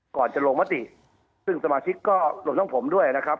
ก่อนจะลงมัติซึ่งสมาชิกก็ลงด้วยนะครับ